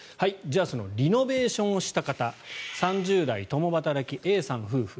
そのリノベーションをした方３０代、共働きＡさん夫婦。